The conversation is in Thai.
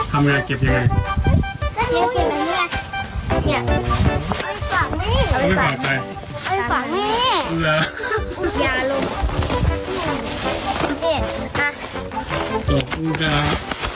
ของฝากของฝากเด็กสองโปรโปรแล้ว